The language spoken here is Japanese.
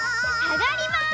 あがります。